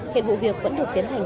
hiện vụ việc vẫn được tiến hành